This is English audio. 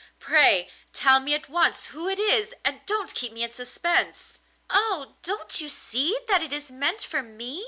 'Pray tell me at once who it is, and don't keep me in suspense!' 'Oh! don't you see that it is meant for me?